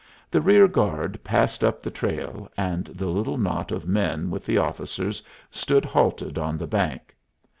The rear guard passed up the trail, and the little knot of men with the officers stood halted on the bank.